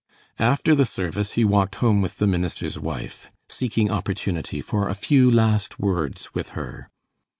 After the service he walked home with the minister's wife, seeking opportunity for a few last words with her.